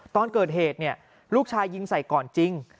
ตอนเกิดเหตุลูกชายยิงใส่ก่อนจริง